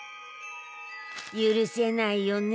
許せないよね